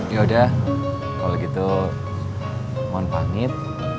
yaudah kalau gitu mohon panggil